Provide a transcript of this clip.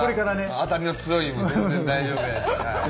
当たりの強いのも全然大丈夫やし。